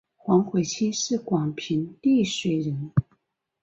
黄晦卿是广平丽水人。